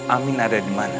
amin ada di mana